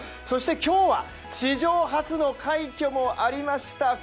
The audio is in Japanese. そして今日は史上初の快挙もありました